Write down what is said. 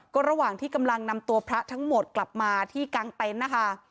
ก็ระหว่างที่กำลังนำตัวพระทั้งหมดกลับมาที่กลางเต็นต์นะคะ